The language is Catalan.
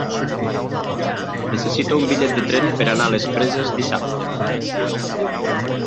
Necessito un bitllet de tren per anar a les Preses dissabte.